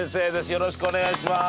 よろしくお願いします。